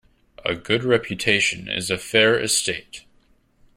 A good reputation is a fair estate.